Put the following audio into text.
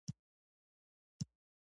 د شرکت شتون د قانون باور ته اړتیا لري.